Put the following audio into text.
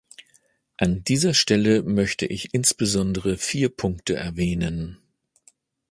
An dieser Stelle möchte ich insbesondere vier Punkte erwähnen.